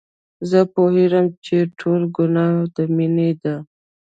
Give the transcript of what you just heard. زه پوهېږم چې ټوله ګناه د مينې ده.